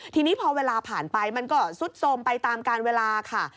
ทีนี้พอเวลาผ่านไปมันก็ซุดโทรมไปตามการเวลาค่ะ